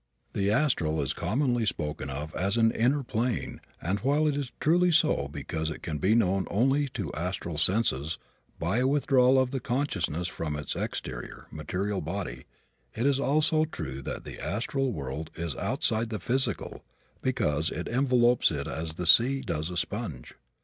The astral is commonly spoken of as an inner plane and while it truly is so because it can be known only to astral senses by a withdrawal of the consciousness from its exterior, material body, it is also true that the astral world is outside the physical because it envelops it as the sea does a sponge.